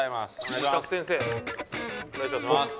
お願いします。